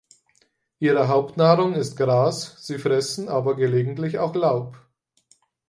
Ihre Hauptnahrung ist Gras, sie fressen aber gelegentlich auch Laub.